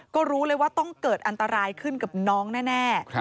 ก็รู้เลยว่าต้องเกิดอันตรายขึ้นกับน้องแน่